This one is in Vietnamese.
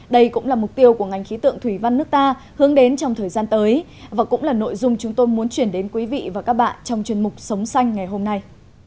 đây cũng là mục tiêu của ngành khí tượng thủy văn nước ta hướng đến trong thời gian tới và cũng là nội dung chúng tôi muốn chuyển đến quý vị và các bạn trong chuyên mục sống xanh ngày hôm nay